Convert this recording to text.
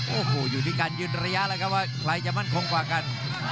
โอ้โหอยู่ที่การยืนระยะแล้วครับว่าใครจะมั่นคงกว่ากัน